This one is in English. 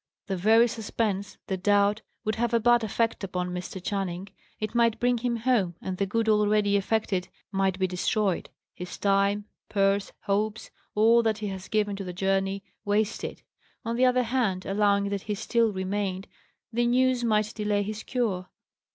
The very suspense, the doubt, would have a bad effect upon Mr. Channing. It might bring him home; and the good already effected might be destroyed his time, purse, hopes, all that he has given to the journey, wasted. On the other hand, allowing that he still remained, the news might delay his cure.